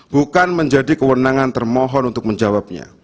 bukan menjadi kewenangan termohon untuk menjawabnya